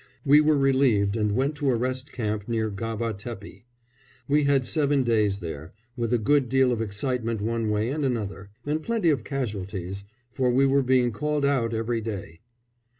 We were relieved and went to a rest camp near Gaba Tepi. We had seven days there, with a good deal of excitement one way and another, and plenty of casualties, for we were being called out every day.